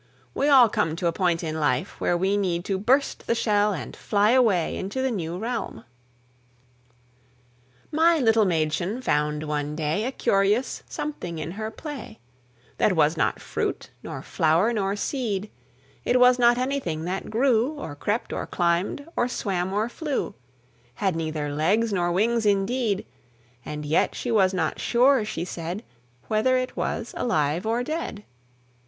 We all come to a point in life where we need to burst the shell and fly away into the new realm. (1835 98.) My little Mädchen found one day A curious something in her play, That was not fruit, nor flower, nor seed; It was not anything that grew, Or crept, or climbed, or swam, or flew; Had neither legs nor wings, indeed; And yet she was not sure, she said, Whether it was alive or dead.